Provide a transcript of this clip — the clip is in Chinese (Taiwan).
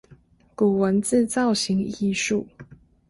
古文字造型藝術